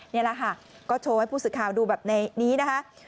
นี่แหละค่ะก็โชว์ให้ผู้สื่อข่าวดูแบบในนี้นะคะ